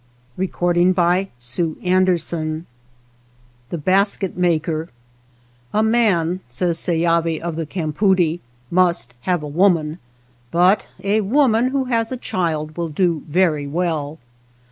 THE BASKET MAKER THE BASKET MAKER A MAN," says Seyavi of the campoodie, vV " must have a woman, but a woman ^> who has a child will do very well."